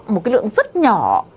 một cái lượng rất nhỏ